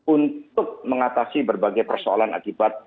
untuk mengatasi berbagai persoalan akibat